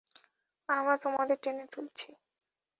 আমরা তোমাদের টেনে তুলছি।